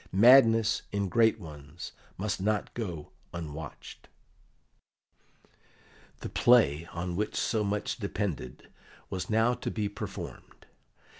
"Madness in great ones must not go unwatched." The play on which so much depended was now to be performed.